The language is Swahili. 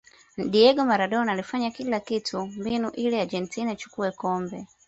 diego maradona alifanya kila kitu mbinu ili argentina ichukue kombe